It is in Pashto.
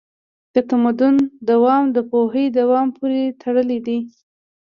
د تمدن دوام د پوهې دوام پورې تړلی دی.